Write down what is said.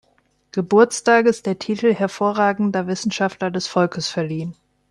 Geburtstages der Titel Hervorragender Wissenschaftler des Volkes verliehen.